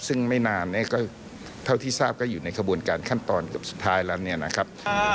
ซึ่งไม่นานเท่าที่ทราบก็อยู่ในขบวนการขั้นตอนกับสุดท้ายแล้วนะครับ